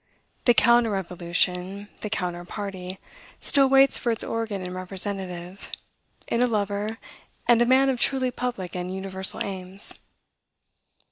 The counter revolution, the counter party, still waits for its organ and representative, in a lover and a man of truly public and universal aims.